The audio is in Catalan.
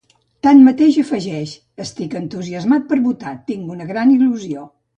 Tanmateix, afegeix: Estic entusiasmant per votar, tinc una gran il·lusió.